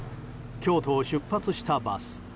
京都を出発したバス。